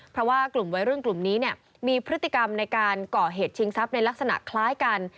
เพราะว่ากลุ่มวัยรุ่นกลุ่มนี้มีพฤติกรรมในการก่อเหตุชิงทรัพย์ในลักษณะคล้ายกัน